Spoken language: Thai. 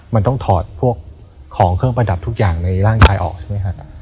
มันต้องถอดพวกของเครื่องประดับทุกอย่างในร่างกายออกใช่ไหมฮะ